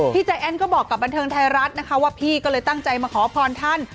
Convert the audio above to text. ใจแอ้นก็บอกกับบันเทิงไทยรัฐนะคะว่าพี่ก็เลยตั้งใจมาขอพรท่าน